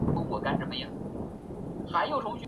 室町幕府末期幕臣。